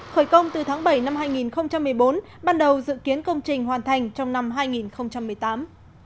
khởi công từ tháng bảy năm hai nghìn một mươi bốn ban đầu dự kiến công trình hoàn thành trong năm hai nghìn một mươi tám